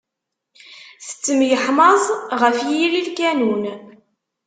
Tettemyeḥmaẓ ɣef yiri lkanun.